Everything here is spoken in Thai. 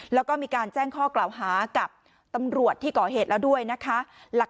แล้วก็มีการแจ้งข้อกล่าวหากับตำรวจที่ก่อเหตุแล้วด้วยนะคะ